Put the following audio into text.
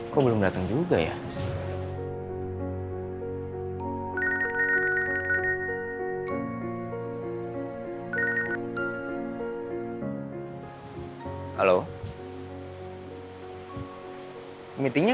kalau ga ke pasir ya